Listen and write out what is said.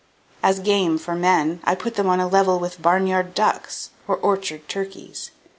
As game for men I place them on a level with barnyard ducks or orchard turkeys.